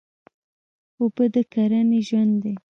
اوبه د کرنې ژوند دی.